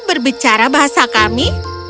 kau berbicara bahasa kami